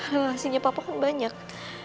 relasinya papa kan banyak